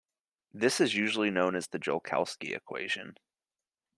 This is usually known as the Joukowsky equation.